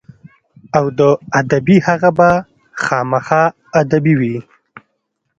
او د ادبي هغه به خامخا ادبي وي.